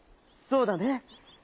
「そうだね。